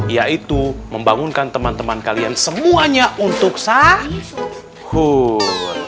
yaitu membangunkan teman teman kalian semuanya untuk sahur